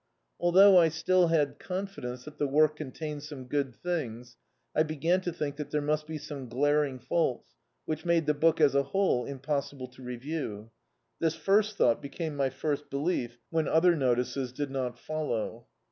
Al thou^ I still had confidence that the work contained some good things, Z began to think that there must be some glaring faults which made the book, as a whole, impossible to review. This first thou^t be came my first belief when other notices did not fol low.